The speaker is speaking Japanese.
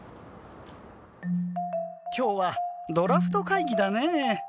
今日はドラフト会議だねぇ。